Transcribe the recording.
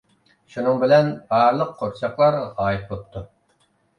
شۇنىڭ بىلەن، بارلىق قورچاقلار غايىب بوپتۇ.